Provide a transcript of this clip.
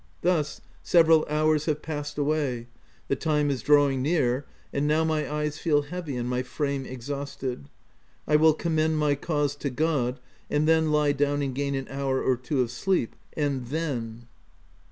Thus several hours have past away : the time is drawing near ;— and now my eyes feel heavy, and my frame exhausted : I will com mend my cause to God, and then lie down and gain an hour or two of sleep ; and then